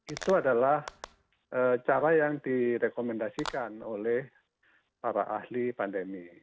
itu adalah cara yang direkomendasikan oleh para ahli pandemi